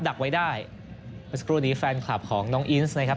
ดักไว้ได้เมื่อสักครู่นี้แฟนคลับของน้องอินส์นะครับ